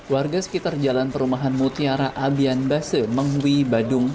warga sekitar jalan perumahan mutiara abian base menghui badung